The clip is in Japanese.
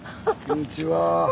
こんにちは。